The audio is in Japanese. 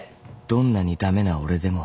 ［どんなに駄目な俺でも］